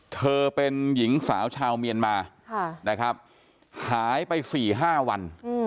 เธอเป็นหญิงสาวชาวเมียนมานะครับหายไป๔๕วัน